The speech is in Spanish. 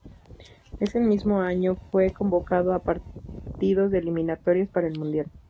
En el mismo año fue convocado a partidos de eliminatorias para el mundial.